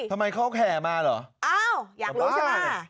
ทำไมเขาแห่มาเหรออ้าวอยากรู้ใช่ไหม